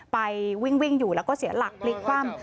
ไปวิ่งอยู่แล้วก็เสียหลักพลิกคว่ำ